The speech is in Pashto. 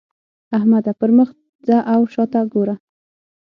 احمده! پر مخ ځه او شا ته ګوره.